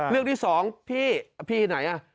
เลือกที่๒พี่พี่ไหนอ่ะ